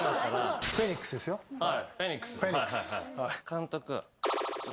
監督。